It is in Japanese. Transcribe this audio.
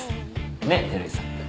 ねえ照井さん。